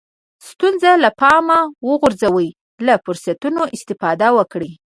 ستونزې له پامه وغورځوئ له فرصتونو استفاده وکړئ.